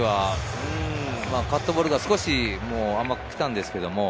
カットボールが少し甘く来たんですけど。